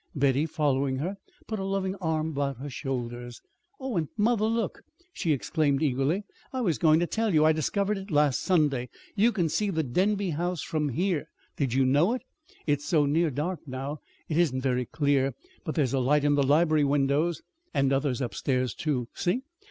Betty, following her, put a loving arm about her shoulders. "Oh, and, mother, look!" she exclaimed eagerly. "I was going to tell you. I discovered it last Sunday. You can see the Denby House from here. Did you know it? It's so near dark now, it isn't very clear, but there's a light in the library windows, and others upstairs, too. See?